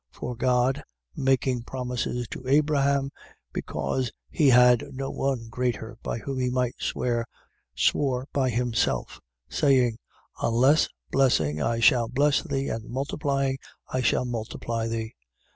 6:13. For God making promises to Abraham, because he had no one greater by whom he might swear, swore by himself, 6:14. Saying: Unless blessing I shall bless thee and multiplying I shall multiply thee.